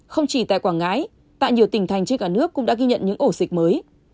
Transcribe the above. không chỉ tại quảng ngãi tại nhiều tỉnh thành trên cả nước cũng đã ghi nhận những ổ dịch mới